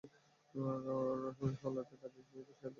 রাসপুটিনকে সামলাতে কাজিন ইউসুপোভকে সাহায্য করতে চাই।